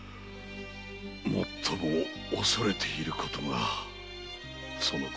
もっとも恐れていることがそのことでございます。